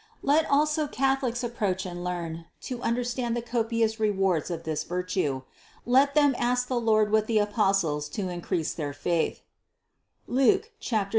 Let also Catholics approach and learn to under stand the copious rewards of this virtue ; let them ask the Lord with the Apostles to increase their faith (Luke 7, 5).